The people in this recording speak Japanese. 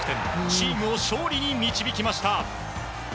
チームを勝利に導きました。